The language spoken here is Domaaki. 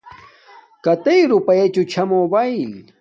کتݵ دوپایچوچھا موبایݵل